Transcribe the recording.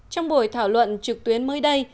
trong buổi thảo luận trực tuyến mới đây